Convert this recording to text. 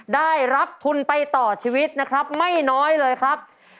ได้รับทุนไปต่อชีวิตนะครับไม่น้อยเลยครับ